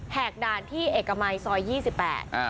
กด่านที่เอกมัยซอยยี่สิบแปดอ่า